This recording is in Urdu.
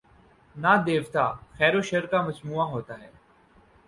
نہ دیوتا، خیر وشرکا مجموعہ ہوتا ہے۔